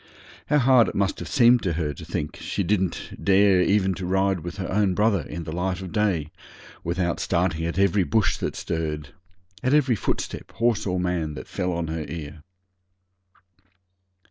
How hard it must have seemed to her to think she didn't dare even to ride with her own brother in the light of day without starting at every bush that stirred at every footstep, horse or man, that fell on her ear!